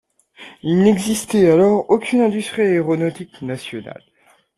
Il n'existait alors aucune industrie aéronautique nationale.